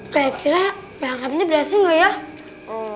kaya kira bangkab ini berhasil nggak ya